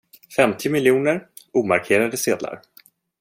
Femtio miljoner, omarkerade sedlar.